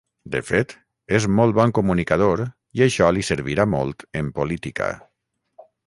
De fet, és molt bon comunicador i això li servirà molt en política.